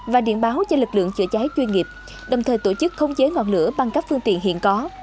và điện báo cho lực lượng chữa cháy chuyên nghiệp đồng thời tổ chức không chế ngọn lửa bằng các phương tiện hiện có